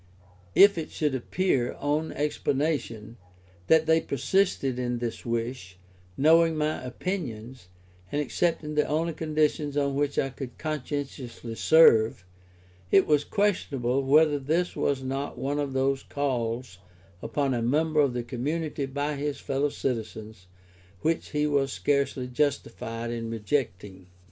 If it should appear, on explanation, that they persisted in this wish, knowing my opinions, and accepting the only conditions on which I could conscientiously serve, it was questionable whether this was not one of those calls upon a member of the community by his fellow citizens, which he was scarcely justified in rejecting.